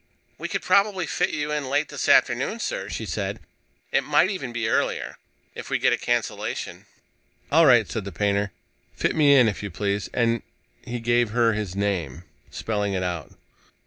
"We could probably fit you in late this afternoon, sir," she said. "It might even be earlier, if we get a cancellation." "All right," said the painter, "fit me in, if you please." And he gave her his name, spelling it out.